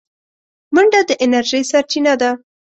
منډه د انرژۍ سرچینه ده